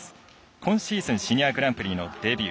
今シーズンシニアグランプリのデビュー。